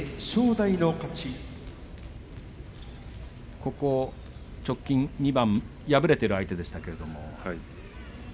ここ直近２番敗れている相手でしたけれども。